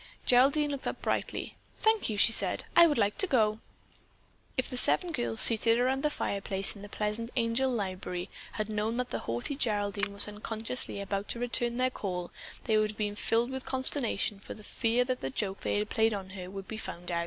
Geraldine looked up brightly: "Thank you," she said, "I would like to go." If the seven girls seated around the fireplace in the pleasant Angel library had known that the haughty Geraldine was unconsciously about to return their call, they would have been filled with consternation for fear the joke they played upon her would be found out.